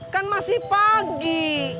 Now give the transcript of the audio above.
kan masih pagi